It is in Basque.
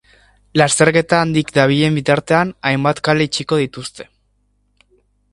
Lasterketa handik dabilen bitartean, hainbat kale itxiko dituzte.